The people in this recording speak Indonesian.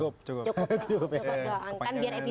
cukup doang kan biar efisienya